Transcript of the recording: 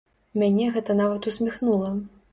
Мяне гэта нават усміхнула.